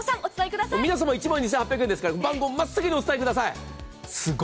皆様１万２８００円ですから番号真っ先にお伝えください。